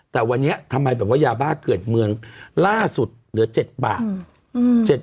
แต่วันนี้ทำไมแบบว่ายาบ้าเกิดเมืองล่าสุดเหลือ๗บาท